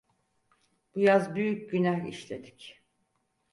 Bu yaz büyük günah işledik…